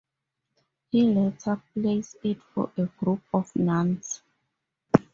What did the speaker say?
He later plays it for a group of nuns.